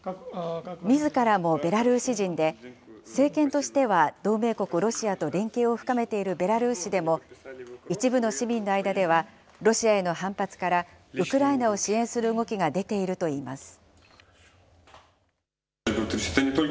みずからもベラルーシ人で、政権としては同盟国ロシアと連携を深めているベラルーシでも、一部の市民の間では、ロシアへの反発からウクライナを支援する動きが出ているといいます。